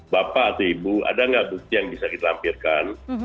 bapak atau ibu ada nggak bukti yang bisa kita hampirkan